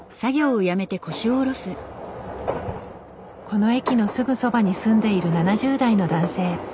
この駅のすぐそばに住んでいる７０代の男性。